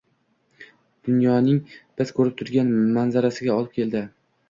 dunyoning biz ko‘rib turgan manzarasiga olib keldi